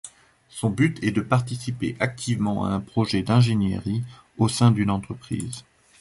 Son but est de participer activement à un projet d'ingénierie au sein d'une entreprise.